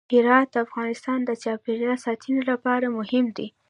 هرات د افغانستان د چاپیریال ساتنې لپاره مهم دی.